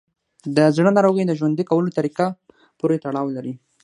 د زړه ناروغۍ د ژوند کولو طریقه پورې تړاو لري.